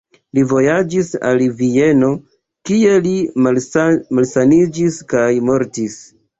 Li vojaĝis al Vieno, kie li malsaniĝis kaj mortis.